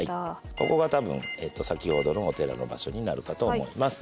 ここが多分先ほどのお寺の場所になるかと思います。